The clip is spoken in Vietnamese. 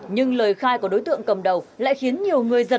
nhưng lời khai của đối tượng cầm đầu lại khiến nhiều người không biết